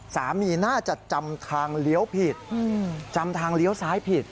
สามีน่าจะจำทางเลี้ยวผิดจำทางเลี้ยวซ้ายผิด